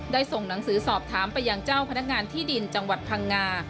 ส่งหนังสือสอบถามไปยังเจ้าพนักงานที่ดินจังหวัดพังงา